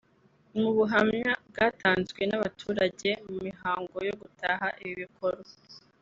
Mu buhamya bwatanzwe n’abaturage mu mihango yo gutaha ibi bikorwa